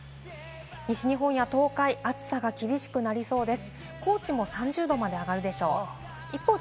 西日本や東海、暑さが厳しくなりそうです。